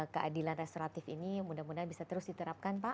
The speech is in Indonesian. keadilan restoratif ini mudah mudahan bisa terus diterapkan pak